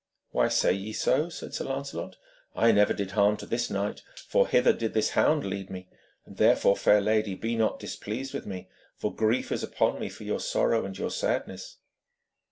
'Why say ye so?' said Sir Lancelot; 'I never did harm to this knight, for hither did this hound lead me, and therefore, fair lady, be not displeased with me, for grief is upon me for your sorrow and your sadness.'